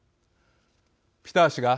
ピター氏が